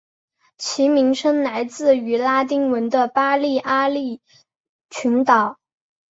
其名称来自于拉丁文的巴利阿里群岛。